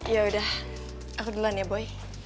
ya udah aku duluan ya boy